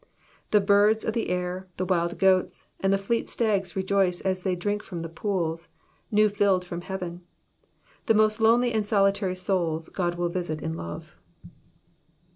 The birds of the air, the wild goats, and the fleet stags rejoice as they drink from the pools, new filled from heaven. The most lonely and solitary souls God will visit tin love.